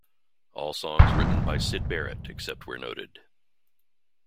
All songs written by Syd Barrett, except where noted.